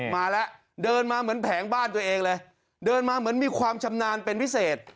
มาแล้วเดินมาเหมือนแผงบ้านตัวเองเลยเดินมาเหมือนมีความชำนาญเป็นพิเศษ